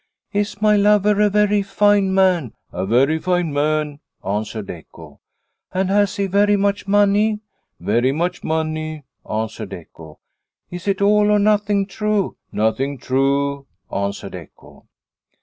" Is my lover a very fine man ?' "A very fine man," answered echo. " And has he very much money ?'" Very much money," answered echo. " Is it all or nothing true ?"" Nothing true," answered echo.